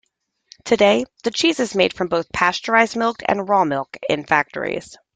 Today, the cheese is made from both pasteurized milk and raw milk in factories.